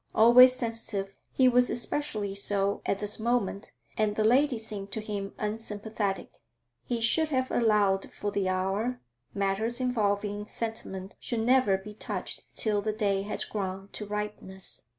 Always sensitive, he was especially so at this moment, and the lady seemed to him unsympathetic. He should have allowed for the hour; matters involving sentiment should never be touched till the day has grown to ripeness.